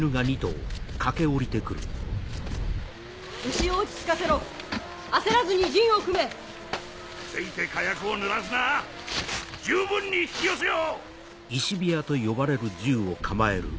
・牛を落ち着かせろ焦らずに陣を組め。せいて火薬をぬらすな十分に引き寄せよ！